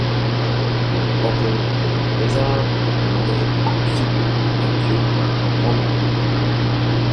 Le panthéon des hommes lezards dominé par la figure du Dieu H'ranga.